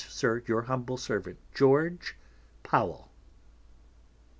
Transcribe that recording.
Sir, your humble Servant, Geo. Powell.